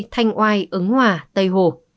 thanh oai ứng hòa tây hồ